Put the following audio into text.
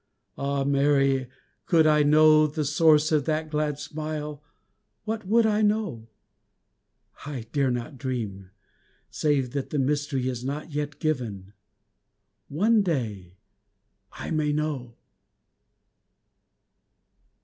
Ah, Mary! could I know The source of that glad smile what would I know? I dare not dream, save that the mystery Is not yet given ... one day I may know!